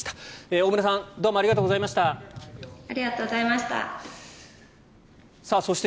大村さんどうもありがとうございました。